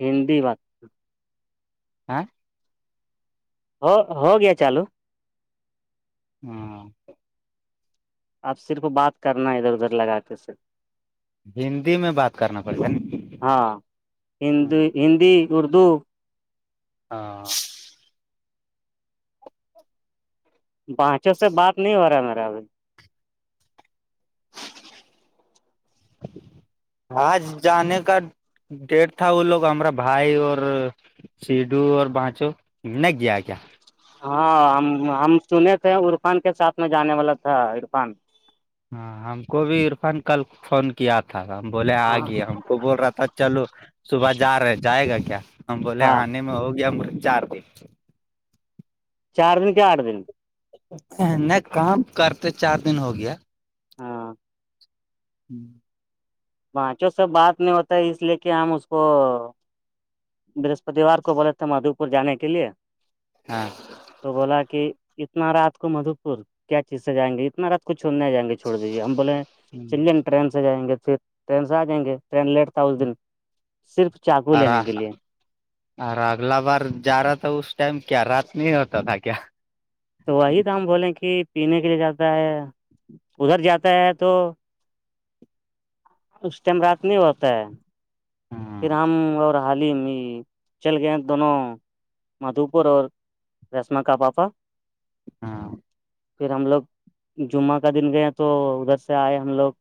ہندی بات ہاں ہو ہو گیا چالو ہاں آپ صرف بات کرنا ہے ادھر ادھر لگا کے سے ہندی میں بات کرنا پڑے گا ہاں نا ہند ہندی اردو ہاں بانچوں سے بات نہیں ہو رہا ہے میرا ابھی آج جانے کا ڈیٹ تھا وہ لوگ ہمارا بھائی اور سیڈو اور بانچو گیا کیا ہاں ہم ہم سنے تھے عرفان کے ساتھ میں جانے والا تھا عرفان ہاں ہم کو بھی عرفان کل فون کیا تھا ہم بولے آ ہاں گئے ہم کو بول رہا تھا چلو صبح جا رہے جائے گا کیا ہم بولے ہاں آنے میں ہو گیا م چار دن چار دن کے آٹھ دن نہیں کام کرتے چار دن ہو گیا ہاں ہوں [inaudible] بانچو سب بات نہیں ہوتا ہے اس لیے کہ ہم اس کو برہسپتیوار کو بولے تھے مادو پور جے کے لیے ہاں تو بولا کہ اتنا رات کو مدو پور کیا چیز سے جیںے اتنا رات کچھ نہیں آ جیں گے چھوڑ دیجیے ہم بولیں چلیے نا ٹرین سے جائیں گے پھر ٹرین سے آ جائیں گے ٹرین لیٹ تھا اس دن صرف چاقو آر لینے کے لیے ارے اگلا بار جا رہا تھا اس ٹائم کیا رات میں ہوتا تھا کیا تو وہی تو ہم بولیں کہ پینے کے لیے جاتا ہے ادھر جاتا ہے تو اس ٹائم رات نہیں ہوتا ہے ہاں پھر ہم اور حالم یہ چل گئے دونوں مدو پور اور رشم کا پاپا ہاں پھر ہم لوگ جمعہ کا دن گئے تو ادھر سے آئے ہم لوگ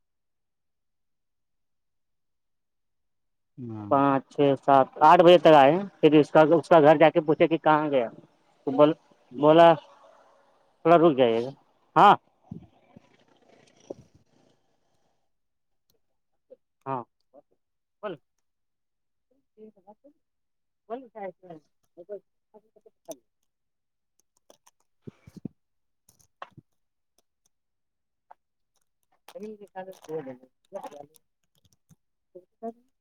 ہاں پانچ چھ سات آٹھ بجے تک آئے پھر اس کا اس کا گھر جا کے پوچھے کہ کہاں گیا تو بول بولا تھوڑا رک جائیے گا ہاں ہاں ب صی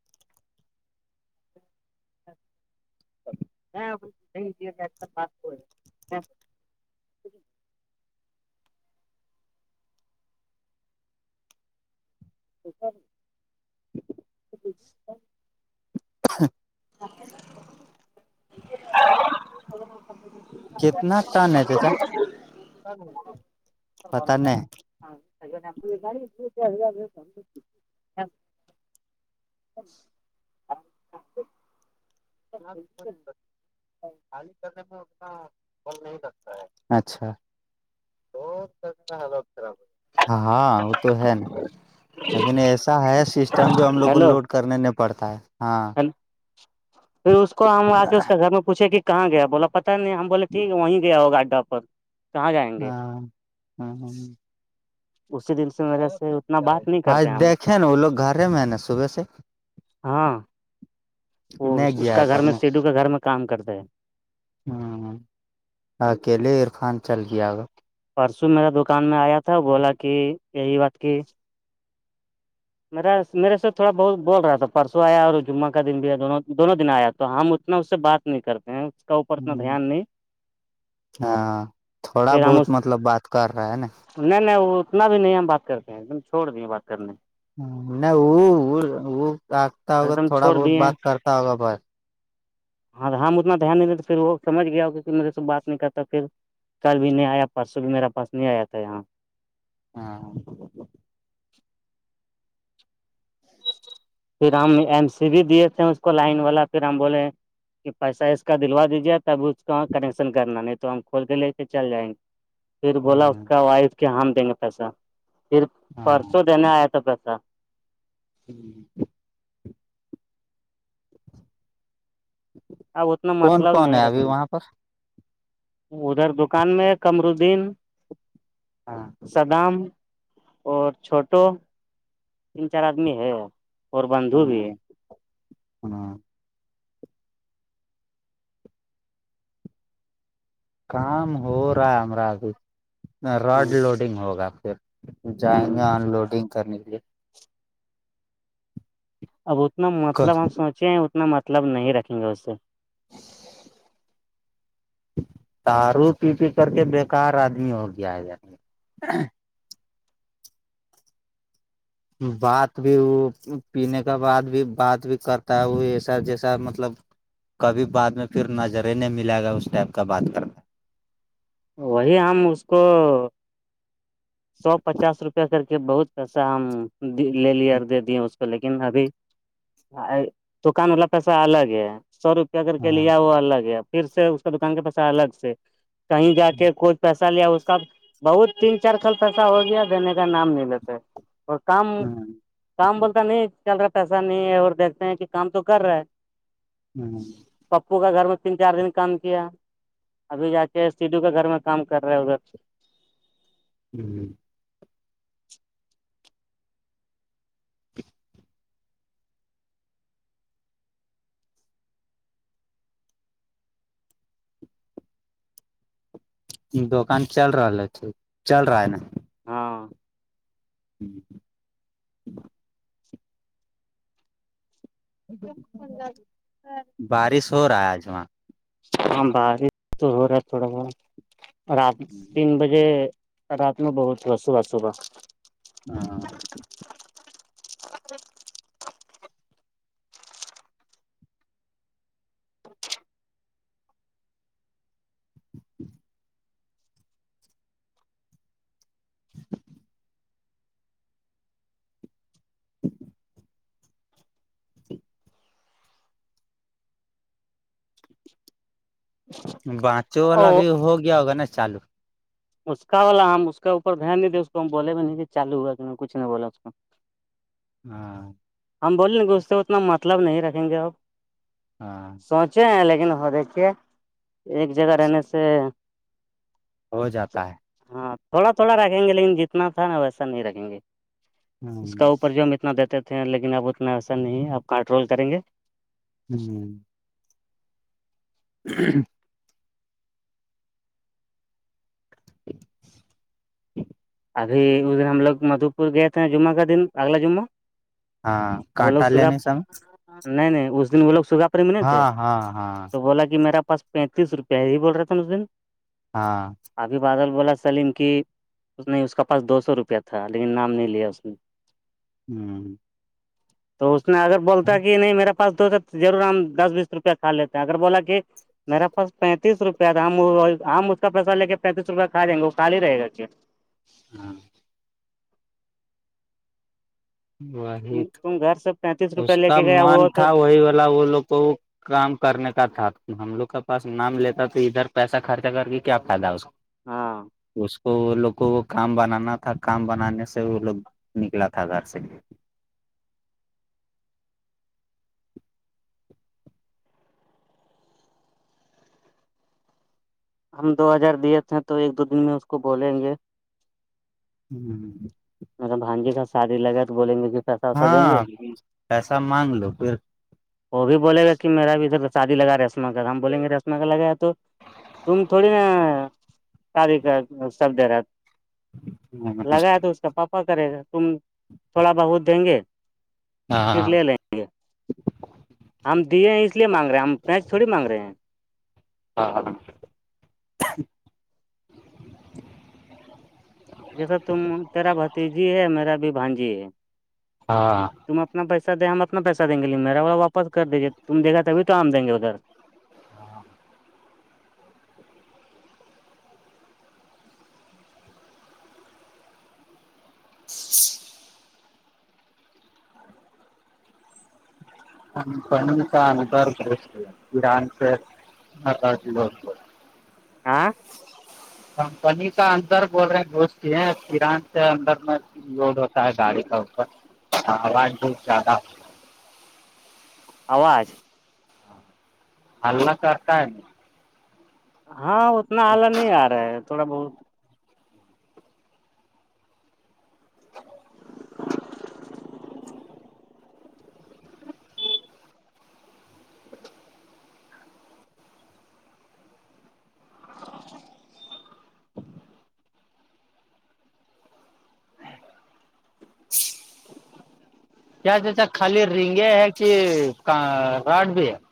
بات تو سر ہاں ا کتنا ٹان ہے تچا پتا نہیں پے سم ہاں انا اچھا ہاں وہ تو ہے نا لیکن ایسا ہے سسٹم جو ہم لوگ کو ہیلو لوڈ کرنے نہیں پڑتا ہے ہاں پھر اس کو ہم آ کے اس کے گھر میں پوچھے کہ کہاں گیا بولا نہیں ہم بولے ٹھیک ہے وہیں گیا ہو گاڈا پر کہاں جائیں گے ہاں ہاں اسی دن سے میرے سے اتنا بات نہیں آج کرتے ہم دیکھے نا وہ لوگ گھرے میں ہے نا صبح سے ہاں وہ نہیں اس گیا کا تھا گھر میں اپنے سیڈو کا گھر میں کام کرتے ہے ہوں اکیلے عرفان چل گیا گا پرسو میرا دکان میں آیا تھا بولا کہ یہی بات کی میرا میرے سے تھوڑا بہت بول رہا تھا پرسوں آیا اور جمعہ کا دن بھی ہےیا دونوں دونوں دن آیا تو ہم اتنا اس سے بات نہیں کرتے ہیں کا اوپر اتنا دھیان نہیں ہاں تھوڑا پھر ہم بہت اس مطلب بات کر رہا ہے نا نہیں نہیں وہ اتنا بھی نہیں ہم بات کرتے ہیں ایک دم چھوڑ دیے بات کرنے نہیں وہ وہ آگتا ایک ہوگا دم تھوڑا چھوڑ بہت دیے ہیں، بات کرتا ہوگا بس ہاں ہم اتنا دھیان نہیں دیتے پھر وہ سج گیا ہوگ میرے سے بات نہیں کرتا پھر کل بھی نہیں آیا پرسوں بھی میرا پاس نہیں آیا تھا یہاں ہاں پھر ہم ایم سی بھی دیے تھے اس کو لائن والا پھر ہم بولے کہ پیسہ اس کا دلوا دیجیے تب اس کا کنیکشن کرنا نہیں تو ہم کھول کے لے کے چل جائیں گے پھر بولا اس ہ کا وائف کے ہم دیں گے پیسہ پھر ہاں پرسوں دینے آیا تھا پیسہ ہوں اپ اتنا کون مطلب کون نہیں ہے ابھی رکھیں گے وہاں پر ادھر دکان میں کمردین ہاں صدام اور چھوٹو تین چار آدمی ہے اور بندھو بھی ہاں ہے ہاں کام ہو رہا ہے ہمارا ابھی ہ راڈ لوڈنگ ہوگا پھر جائیں ہ گے آن لوڈنگ کرنے کے لیے اب اتنا لیے مطلب ہم سوچے ہیں اتنا مطلب نہیں رکھیں گے اس سے دارو پی پی کر کے بیکار آدمی ہو گیا ہے بات بھی وہ پینے کا بعد بھی بات بھی کرتا ہے وہ ایسا جیسا مطلب کبھی بع میں پھر نظر ہی نہیں ملاے گا اس ٹائپ کا بات کرتے وہی ہم اس کو سو پچاس روپیہ کر کے بہت پیسہ ہم لے لیے اور دے دیے اس تو لیکن ابھی دکان والا پیسہ الگ ہے سو روپ کر کے ہاں لیا وہ الگ ہے پھر سے اس کا دکان کے پاس الگ سے کہیں جا کے کوھ پیسہ لیا اس کا بہت تین چار کل پیسہ ہو گیا دینے کا نام نہیں لیتے اور کام ہ کام بولتا نہیں چل رہا پیسہ نہیں ہے اور دیکھتے ہیں کہ کام تو کر رہا ہے ہوں پپو کا گھر میں تین چار دن کام کیا ابھی جا کے سیدھو کا گھر میں کام کر رہا ہے ادھر ہوں دکان چل رہا ہے ٹھیک چل رہا ہے نا ہاں جوں بارش ہو رہا آج وہاں ہاں بار تو ہو رہا ہے تھوڑا بہت رات تین بجے رات میں بہت صبح صبح صبح ہاں بانچو والا او بھی ہو گیا ہوگا نا چالو اس کا والا ہم اس کا اوپر دھیان نہیں دیں اس کو ہم بولے نہیں کہ چالو ہوا کہ کچھ نہیں بولا اس کو ہاں ہم بولیں گے اس سے اتنا مطلب نہیں رکھیں گے آپ ہاں سوچے ہیں لیکن وہ دیکھیے ایک جگہ رہنے سے ہو جاتا ہے ہاں تھوڑا تھوڑا رکھیں گے لیکن جتنا تھا نا ویسا نہیں رکھیں گے اس کا ہ اوپر جو ہم اتنا دیتے تھے لیکن اب اتنا ایسا نہیں ہے آپ کنٹرول کریں گے ہوں جی ابھی اس دن ہم لوگ مدو پور گئے تھے جمعہ کا دن اگلا جمعہ ہاں وہ کٹ لوگ آاللہ سگا نہیں سام نہیں نہیں اس دن وہ لوگ سگا پری میں نہیں تھے ہاں ہاں ہاں تو بولا کہ میرا پاس پینتیس روپئے ہی بول رہا تھا ن اس دن ہاں ابھی بادل بول چن کہ اس نہیں اس کا پاس دو سو روپیہ تھا لیکن نام نہیں لیا اس نے ہوں تو اس نے اگر بولتا کہ نہیں میرا پاس دوتا تو ضرور ہم دس بیس روپیہ کھا لیتے ہیں اگر بولا کہ میرا پاس پینتیس روپیہ تھا ہم ہم اس کا پیسہ لے کے پینتیس روپیہ کھا دیں گے وہ خالی رہے گا کیٹ ہاں [inaudible] وہی تم تو تم گھر سے پینتیس اس روپیہ لے کا کے گیا من وہ تو تھا وہی والا وہ لوگ کو کام کرنے کا تھا ہم لوگ کا پاس نام لیتا تو ادھر پیسہ خرچہ کر کے کیا فائدہ اس ہاں نسک [inaudible] تو وہ لوگوں کو وہ کام بنانا تھا کام بنانے سے وہ لوگ نکلا تھا گھر سے ہم دو ہزار دیے تھے تو ایک دو دن میں اس کو بولیں گے [unintelligible] مطلب بانجی کا شادی لگا تو بولیں گے کہ پیسہ ویسا دیں ہاں گے پیسہ مانگ لو پھر وہ بھی بولے گا کہ میرا بھی ادھر شادی لگا رشمہ کا ہم بولیں گے رشما کا لگایا تو تم تھوڑی نا کاری کر سب د رہ [unintelligible] لگایا تو اس کا پاپا کرے گا تم تھوڑا بہت دیں گے ہاں ہاں پھر ہاں لے [inaudible] لیں ہم دیے ہیں اس لیے مانگ رہے ہیں ہم پینچ تھوڑی مانگ رہے ہیں [unintelligible] ہاں ہاں ہاں [unintelligible] جیسا تم تیرا بھتیجی ہے میرا بھی بھانجی ہے ہاں تم اپنا پیسہ دیں ہم اپنا پیسہ دیں گے لے میرا وہا واپس کر دیجیے تم د گا تھی تو آ دیں گے ادھر ہاں ہاں [inaudible] [inaudible] ہم کن کا انبار کررس یہان سے [inaudible] ہاں تازی بس بت [inaudible] آاں [unintelligible] کمپنی کا اندر بول رہے ہیں دوست ہےیران سے اندر میں لوڈ ہوتا ہے گاڑی کا اوپر آاز بھی زیادہ [inaudible] آواز اللہ کررتا [unintelligible] ہاں اتنا آلہ نہیں آ رہا ہے تھوڑا بہت [unintelligible] [inaudible] کیا خال ریگے ہے کہ راڈ بھی ہے [unintelligible]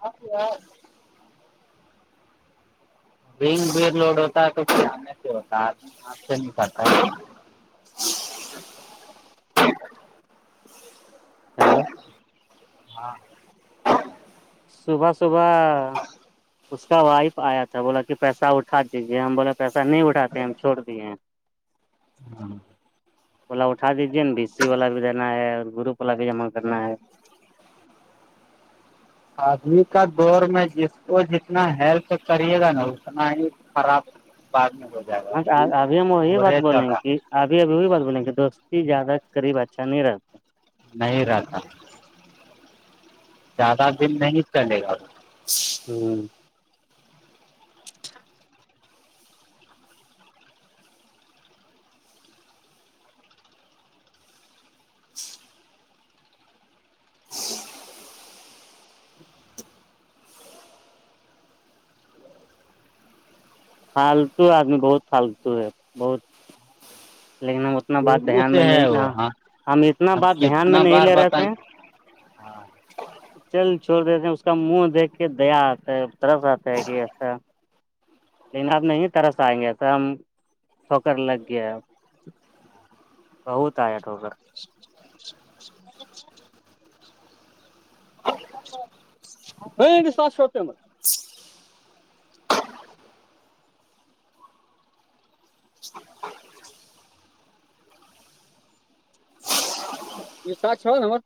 آپ [inaudible] ب لوڈ ہوتا ہے تو ہوتاات سے نہیںتا [inaudible] ہیلو ہاں صبح صبح اس کا وائف آیا تھا بولا کہ پیسہ اٹھا دیجیے ہم بولا پیسہ نہیں اٹاتے ہم چھوڑ دیے ہیں ہاں [inaudible] والا اٹھا دیجیے نا بی سی والا بھی دینا ہے اور گروپ والا بھی جمع کرنا ہے ابھی کا دور میں جس کو جتنا ہیلپ کریے گا نا اتنا ہی خراب [unintelligible] ب میں [inaudible] ہاں وہی ابھی ہم وہی بات دورے چل بولیں رہا کہ ابھی اب وہی بات بولیں کہ دوستی زیادہ قریب اچھا نہیں رہ نہیں رہتا زیادہ دن نہیں چلے گا ہوں [inaudible] اچھا [inaudible] ج [inaudible] فالتو آدمی بہت فالتو ہے بہت لیکن ہم اتنا بات شروع دھیان سے میں نہیں ہے وہ ہاں ہم اتنا اب بات دھیان میں نہیں لے رہے تھے ہاں [inaudible] چل چھوڑ دیتے ہیں اس کا منہ دیکھ کے دیا آتا ہے طرس آتا ہے کہ ایسا لیکن آپ نہیں طرحس آئیں گے ایسا ہم سو کرر لگ گیا بہت آیا ٹوکر ساس شپم شال نا ہم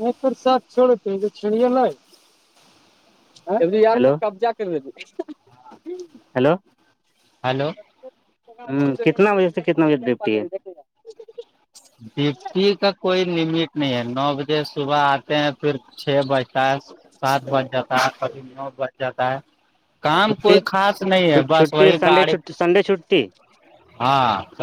ایک شات چوڑےتے کہ چڑیا لئے کرلو ہلو کتنا بجے سے کتنا بجے ڈپٹی ہے ڈٹی کا کوئی لمٹ نہیں ہے نو بجے صبح آٹھ ہیں پھر چھ بجتا ہے سات بج جاتا ہے کبھی نو بج جاتا ہے کام چھٹی کوئی خاص نہیں ہے بس چھٹی وہی سنڈے گاڑی چھٹی سنڈے چھٹی ہاں